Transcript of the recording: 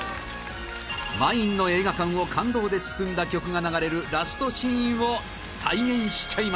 満員の映画館を感動で包んだ曲が流れるラストシーンを再現しちゃいます